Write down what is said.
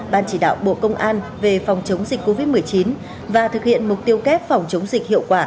ban chỉ đạo bộ công an về phòng chống dịch covid một mươi chín và thực hiện mục tiêu kép phòng chống dịch hiệu quả